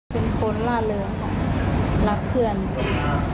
แต่มาเชียงใหม่ทำงานด้วยเรียนด้วย